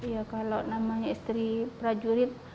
ya kalau namanya istri prajurit